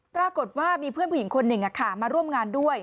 ปรากฏว่ามีเพื่อนผู้หญิงคนหนึ่งมาร่วมงานด้วย